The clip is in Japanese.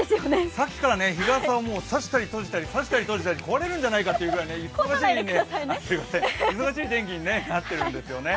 さっきから日傘を差したり閉じたり差したり閉じたり壊れるんじゃないかというくらい忙しい天気になってるんですよね。